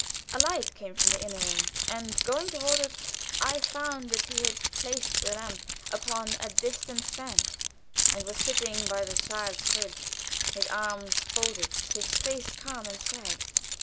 A light came from the inner room, and, going toward it, I found that he had placed the lamp upon a distant stand, and was sitting by the child's crib, his arms folded, his face calm and sad.